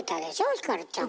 ひかるちゃんも。